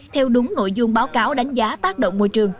theo đúng nội dung báo cáo đánh giá tác động môi trường